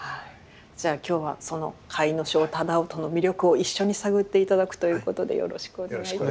じゃあ今日はその甲斐荘楠音の魅力を一緒に探って頂くということでよろしくお願いいたします。